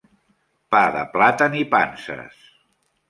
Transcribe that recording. Pa de plàtan i panses.